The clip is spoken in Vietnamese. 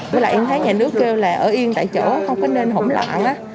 với lại em thấy nhà nước kêu là ở yên tại chỗ không có nên hỗn loạn